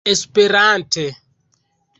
esperante